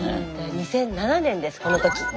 ２００７年ですこの時。